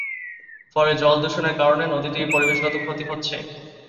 ফলে জল দূষণের কারণে নদীটির পরিবেশগত ক্ষতি হচ্ছে।